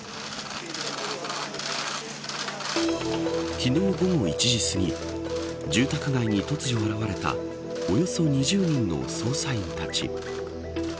昨日午後１時すぎ住宅街に突如現れたおよそ２０人の捜査員たち。